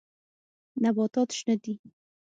نباتات شنه دي.